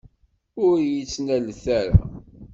Ur iyi-d-ttnalet ara!